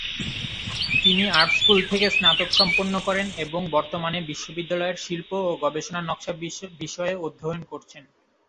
তিনি art school থেকে স্নাতক সম্পন্ন করেন এবং বর্তমানে বিশ্ববিদ্যালয়ের শিল্প ও গবেষণা নকশা বিষয়ে অধ্যয়ন করছেন।